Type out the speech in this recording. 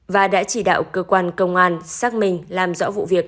và đã chỉ đạo cơ quan công an xác minh làm rõ vụ việc